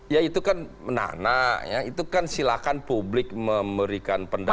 ya itu kan menanak ya itu kan silakan publik memberikan pendapat